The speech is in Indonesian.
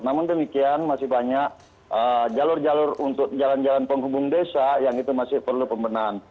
namun demikian masih banyak jalur jalur untuk jalan jalan penghubung desa yang itu masih perlu pembenahan